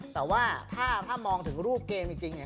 แต่ว่าถ้ามองถึงรูปเกมจริงเนี่ย